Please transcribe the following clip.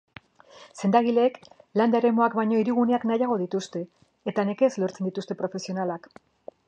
Sendagileek landa eremuak baino hiriguneak nahiago dituzte eta nekez lortzen dituzte profesionalak.